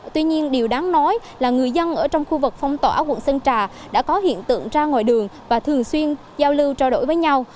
tuy nhiên điều đáng nói là người dân ở trong khu vực phong tỏa ở quận sơn trà đã có hiện tượng ra ngoài đường và thường xuyên giao lưu trao đổi với nhau